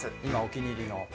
今お気に入りの。